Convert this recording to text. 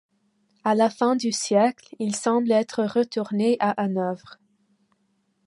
À la fin du siècle, il semble être retourné à Hanovre.